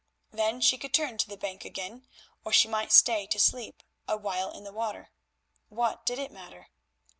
Then she could turn to the bank again, or she might stay to sleep a while in the water; what did it matter?